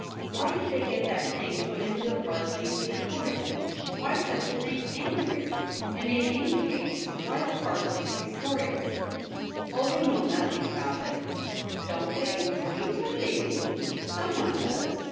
Why did they get that thing put into the Park Lane Pictorial ? Why such a thing anywhere ? and, in any case, why the Park Lane Pictorial 7 ' Oh, they know nothing about it.' * Don't they } You bet they do ; someone does.